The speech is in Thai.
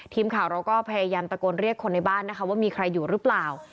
ทีมข่าวเราก็พยายามตะโกนเรียกคนในบ้านนะคะว่ามีใครอยู่หรือเปล่า